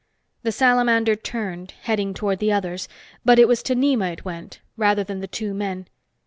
The salamander turned, heading toward the others. But it was to Nema it went, rather than the two men.